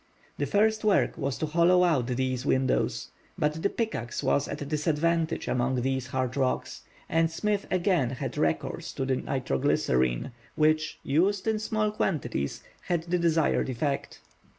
The first work was to hollow out these windows. But the pickaxe was at a disadvantage among these hard rocks, and Smith again had recourse to the nitro glycerine, which, used in small quantities, had the desired effect.